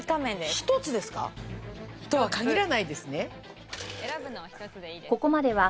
１つですか？とは限らないですね？